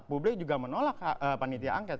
publik juga menolak panitia angket